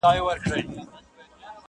دنیا ډېره بې وفاده عاقلان نه په نازېږي.